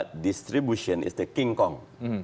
tetapi distribusi adalah kong